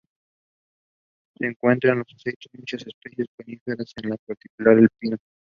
Se encuentra en los aceites de muchas especies de coníferas, en particular el pino.